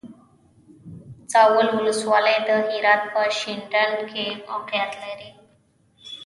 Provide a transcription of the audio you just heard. زاول ولسوالی د هرات په شینډنډ کې موقعیت لري.